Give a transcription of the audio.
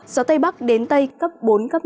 gió tây bắc đến tây cấp bốn cấp năm